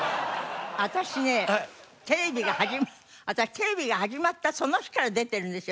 私ねテレビが私テレビが始まったその日から出てるんですよ